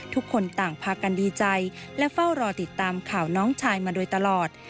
ทุกคนต่างพากันดีใจและเฝ้ารอติดตามข่าวน้องชายมาโดยตลอด